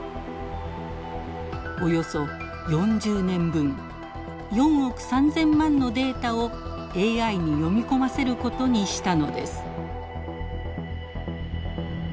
およそ４０年分４億３，０００万のデータをＡＩに読み込ませることにしたのです。